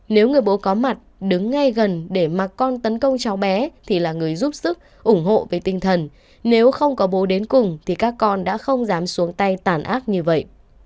nếu người bố có mặt đứng ngay gần để mặc con tấn công cháu bé thì là người giúp sức ủng hộ về tinh thần nếu không có bố đến cùng thì các con đã không dám xuống tay tàn ác như vậy